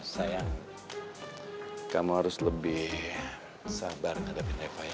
sayang kamu harus lebih sabar ngadepin reva ya